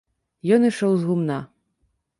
Ён ішоў з гумна.